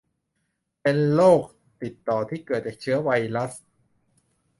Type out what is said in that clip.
เป็นโรคติดต่อที่เกิดจากเชื้อไวรัส